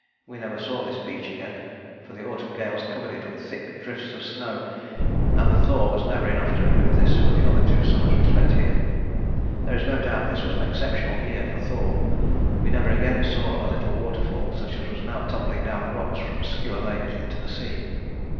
We never saw this beach again, for the autumn gales covered it with thick drifts of snow, and the thaw was never enough to remove this for the two other summers we spent here. There is no doubt this was an exceptional year for thaw. We never again saw a little waterfall such as was now tumbling down the rocks from Skua Lake into the sea.